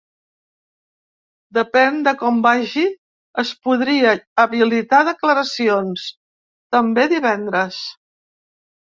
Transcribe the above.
Depèn de com vagi es podria habilitar declaracions també divendres.